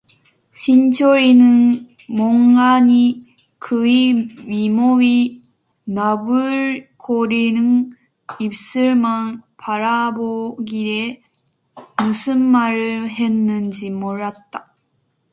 신철이는 멍하니 그의 의모의 나불거리는 입술만 바라보기에 무슨 말을 했는지 몰랐다.